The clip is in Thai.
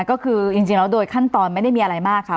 ก็คือจริงแล้วโดยขั้นตอนไม่ได้มีอะไรมากค่ะ